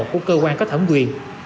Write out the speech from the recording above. của cơ quan có thẩm quyền